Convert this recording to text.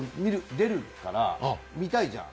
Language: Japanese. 出るから見たいじゃん。